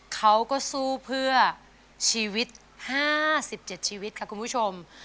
เขาก็สู้เพื่อชีวิต๕๗ชีวิตค่ะคุณผู้ชม